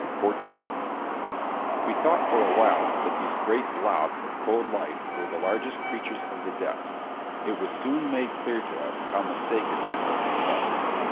We thought for awhile that these great blobs of cold life were the largest creatures of the depths. It was soon made clear to us how mistaken that notion was!